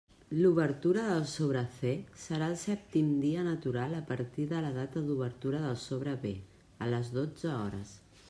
L'obertura del sobre C serà el sèptim dia natural a partir de la data d'obertura del sobre B, a les dotze hores.